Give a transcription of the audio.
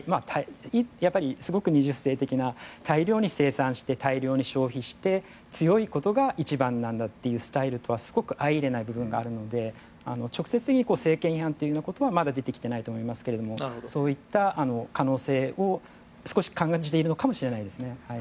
やっぱりすごく２０世紀的な大量に生産して大量に消費して強いことが一番なんだというスタイルとはすごく相いれない部分があるので直接的に政権批判ということはまだ出てきていないと思いますがそういった可能性を少し感じているかもしれないです。